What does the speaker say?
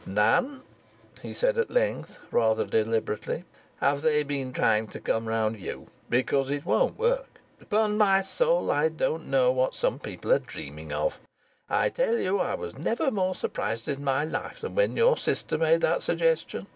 "Nan," he said at length, rather deliberately, "have they been trying to come round you? Because it won't work. Upon my soul I don't know what some people are dreaming of. I tell you I never was more surprised i' my life than when your sister made that suggestion.